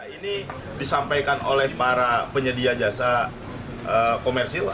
ini disampaikan oleh para penyedia jasa komersil